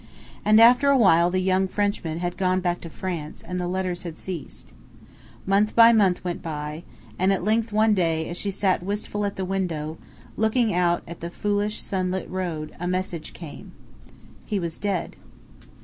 And after a while the young Frenchman had gone back to France, and the letters had ceased. Month by month went by, and at length one day, as she sat wistful at the window, looking out at the foolish sunlit road, a message came. He was dead.